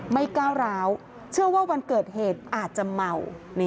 ก้าวร้าวเชื่อว่าวันเกิดเหตุอาจจะเมา